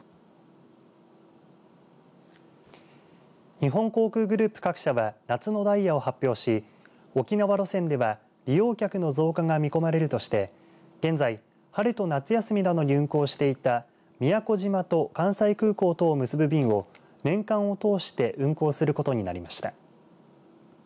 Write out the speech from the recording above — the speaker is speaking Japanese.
日本航空グループ各社は夏のダイヤを発表し沖縄路線では利用客の増加が見込まれるとして現在、春と夏休みなどに運航していた宮古島と関西空港とを結ぶ便を年間を通して運航することになりました。